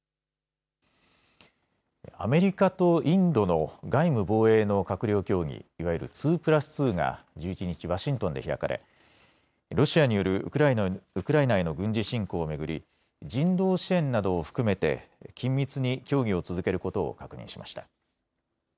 アメリカとインドの外務・防衛の閣僚協議、いわゆる２プラス２が１１日、ワシントンで開かれロシアによるウクライナへの軍事侵攻を巡り人道支援などを含めて緊密に協議を続けることを確認しました。